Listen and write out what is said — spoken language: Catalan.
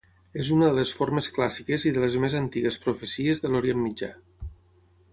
És una de les formes clàssiques i de les més antigues profecies de l'Orient Mitjà.